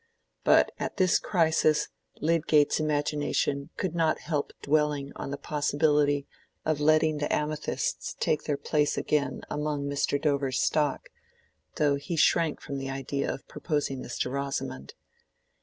But at this crisis Lydgate's imagination could not help dwelling on the possibility of letting the amethysts take their place again among Mr. Dover's stock, though he shrank from the idea of proposing this to Rosamond.